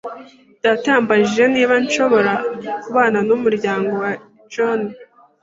Data yambajije niba nshobora kubana n'umuryango wa Jones.